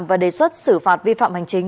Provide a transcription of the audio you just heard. và đề xuất xử phạt vi phạm hành chính